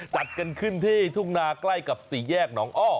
จัดกันขึ้นที่ทุ่งนาใกล้กับสี่แยกหนองอ้อ